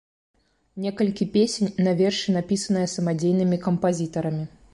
Некалькі песень на вершы напісаныя самадзейнымі кампазітарамі.